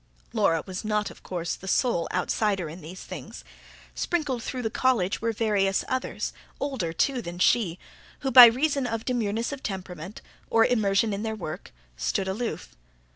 Laura was not, of course, the sole outsider in these things; sprinkled through the College were various others, older, too, than she, who by reason of demureness of temperament, or immersion in their work, stood aloof.